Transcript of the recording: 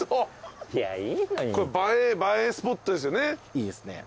いいですね。